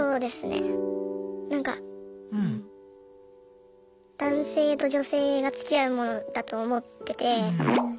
なんか男性と女性がつきあうものだと思ってて。